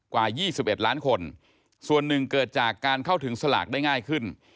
กว่า๒๑ล้านคนส่วนหนึ่งเกิดจากการเข้าถึงสลากได้ง่ายขึ้น